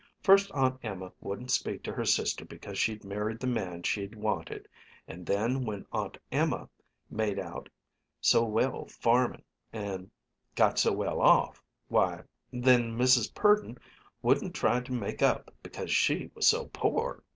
First Aunt Emma wouldn't speak to her sister because she'd married the man she'd wanted, and then when Aunt Emma made out so well farmin' and got so well off, why, then Mrs. Purdon wouldn't try to make up because she was so poor.